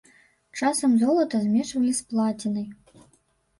Часам золата змешвалі з плацінай.